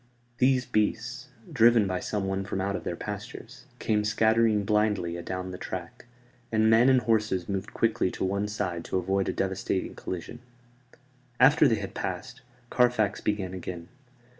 These beasts, driven by someone from out of their pastures, came scattering blindly adown the track; and men and horses moved quickly to one side to avoid a devastating collision. After they had passed, Carfax began again.